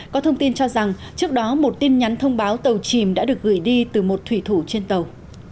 có thông tin cho rằng trước đó một tin nhắn thông báo tàu chìm đã được gửi đi từ một thủy thủ trên tàu